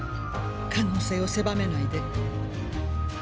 可能性を狭めないで。